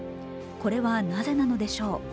これはなぜなのでしょう。